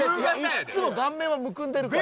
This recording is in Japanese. いっつも顔面はむくんでるから。